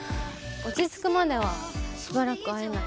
落ち着くまではしばらく会えない。